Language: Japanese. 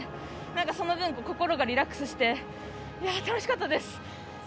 その分、心がリラックスして楽しかったです。